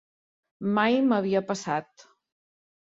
Mai m'havia passat.